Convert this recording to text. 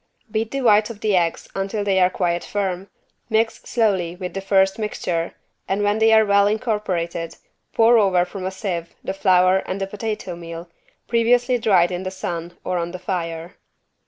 Beat the whites of the eggs until they are quite firm, mix slowly with the first mixture and when they are well incorporated pour over from a sieve the flour and the potato meal, previously dried in the sun or on the fire.